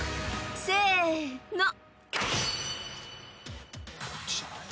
［せの］